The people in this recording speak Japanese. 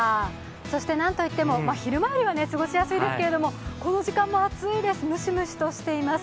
そしてなんといっても、昼間よりは過ごしやすいですけどこの時間も暑いです、ムシムシとしています。